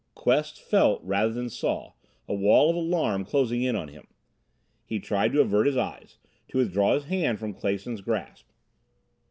Quest felt, rather than saw, a wall of alarm closing in on him. He tried to avert his eyes, to withdraw his hand from Clason's grasp.